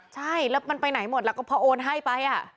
ใช่แล้วมันไปไหนหมดแล้วก็พอโอนให้ไป